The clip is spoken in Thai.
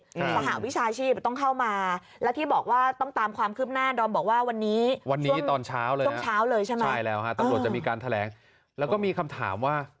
สหาววิชาชีพต้องเข้ามาและที่บอกว่าต้องตามความคลิปหน้า